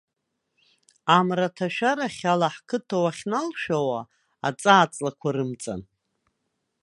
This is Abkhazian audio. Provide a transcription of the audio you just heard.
Амраҭашәарахь ала ҳқыҭа уахьналшәауа, аҵаа-ҵлақәа рымҵан.